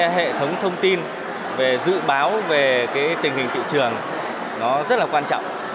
hệ thống thông tin về dự báo về tình hình thị trường nó rất là quan trọng